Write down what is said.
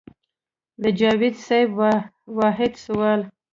د جاوېد صېب واحد سوال